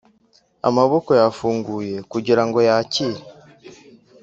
amaboko yafunguye kugirango yakire